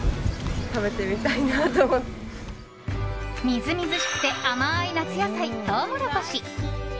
みずみずしくて甘い夏野菜トウモロコシ。